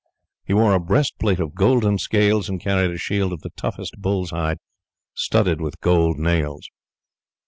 He wore a breastplate of golden scales, and carried a shield of the toughest bull's hide studded with gold nails.